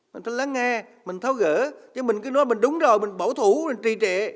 mình phải lắng nghe mình tháo gỡ chứ mình cứ nói mình đúng rồi mình bảo thủ mình trì trệ